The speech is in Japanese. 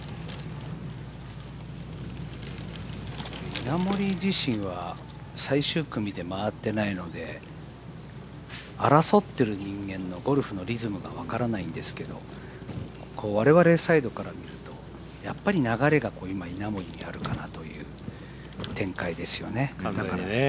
稲森自身は最終組で回ってないので争ってる人間のゴルフのリズムがわからないんですけど我々サイドから見ると、やっぱり流れが稲森にあるかなという展開ですよね。